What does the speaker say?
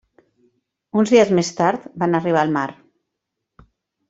Uns dies més tard, van arribar al mar.